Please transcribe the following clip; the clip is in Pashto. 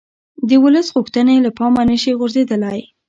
د ولس غوښتنې له پامه نه شي غورځېدلای